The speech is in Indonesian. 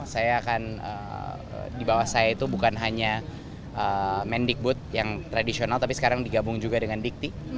saya akan di bawah saya itu bukan hanya mendikbud yang tradisional tapi sekarang digabung juga dengan dikti